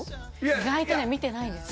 意外とね見てないんですよ